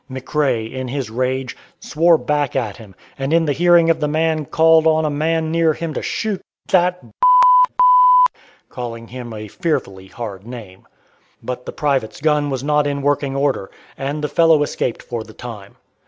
McRae, in his rage, swore back at him, and in the hearing of the man, called on a man near him to shoot "that ," calling him a fearfully hard name. But the private's gun was not in working order, and the fellow escaped for the time.